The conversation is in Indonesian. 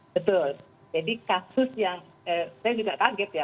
betul jadi kasus yang saya juga kaget ya